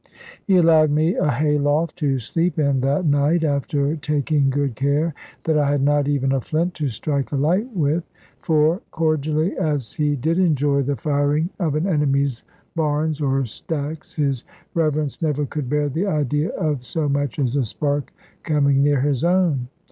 He allowed me a hay loft to sleep in that night, after taking good care that I had not even a flint to strike a light with. For, cordially as he did enjoy the firing of an enemy's barns or stacks, his Reverence never could bear the idea of so much as a spark coming near his own.